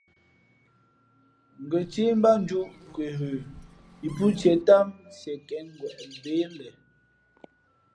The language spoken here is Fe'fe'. Ngα̌ céh mbát njūʼ nkwe ghə yi pó tiē ntám nsienkěngweʼ bê le.